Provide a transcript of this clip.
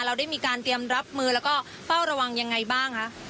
เราได้มีการเตรียมรับมือแล้วก็เฝ้าระวังยังไงบ้างคะ